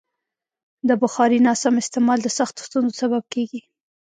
د بخارۍ ناسم استعمال د سختو ستونزو سبب کېږي.